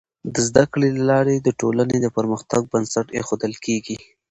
د زده کړي له لارې د ټولني د پرمختګ بنسټ ایښودل کيږي.